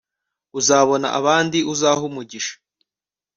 uzabona abandi uzaha umugisha